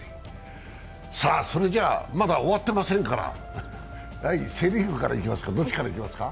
まだ終わってませんからセ・リーグからいきますか？